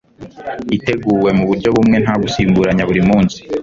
iteguwe mu buryo bumwe nta gusimburanya buri munsi